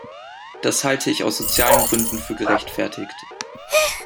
Das halte ich aus sozialen Gründen für gerechtfertigt.